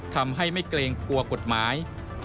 ทำให้ไม่เกรงกลัวกฎหมาย